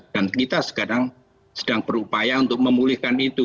dan kita sekarang sedang berupaya untuk memulihkan itu